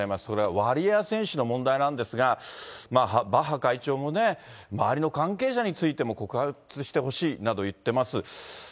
それはワリエワ選手の問題なんですが、バッハ会長もね、周りの関係者についても、告発してほしいなど言ってます。